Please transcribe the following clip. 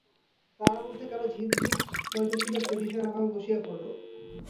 তাহার মাথার মধ্যে কেন বিমঝিম করিতেছিল, সে দিশহারা ভাবে বসিয়া পড়িল।